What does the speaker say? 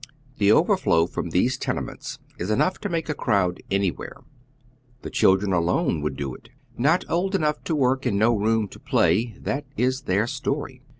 The overflow from these tenements is enough to make a crowd anywhere. The children alone would do it. Kot old enough to work and no room for play, that is their story.